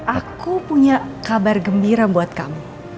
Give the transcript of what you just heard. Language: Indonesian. aku punya kabar gembira buat kamu